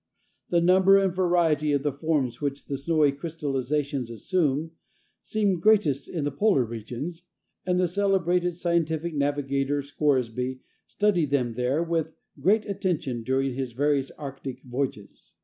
The number and variety of the forms which the snowy crystallizations assume seem greatest in the polar regions, and the celebrated scientific navigator Scoresby studied them there with great attention during his various arctic voyages.